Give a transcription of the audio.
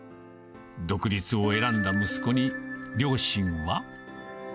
独立を選んだ息子に、両親は。